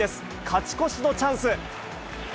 勝ち越しのチャンス。